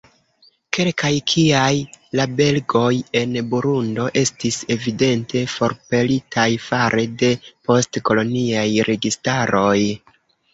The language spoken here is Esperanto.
Kelkaj, kiaj la belgoj en Burundo, estis evidente forpelitaj fare de post-koloniaj registaroj.